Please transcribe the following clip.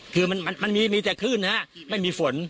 คือมันมีมีแต่คลื่นฮะไม่มีฝน